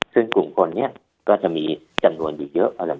ซึ่งกลุ่มคนเนี่ยก็จะมีจำนวนอยู่เยอะก็ลำบวน